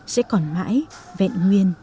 sẽ còn mãi vẹn nguyên